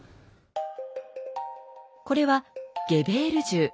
これはゲベール銃。